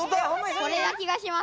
これな気がします。